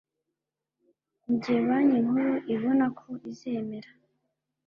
Mu gihe banki nkuru ibona ko izemera